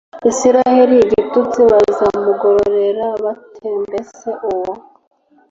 isirayeli igitutsi bazamugororera bate mbese uwo